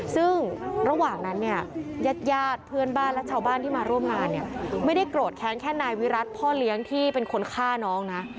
ซึ่งระหว่างนั้นเนี่ยญาติญาติเพื่อนบ้านและชาวบ้านที่มาร่วมงานเนี่ยไม่ได้โกรธแค้นแค่นายวิรัติพ่อเลี้ยงที่เป็นคนฆ่าน้องนะ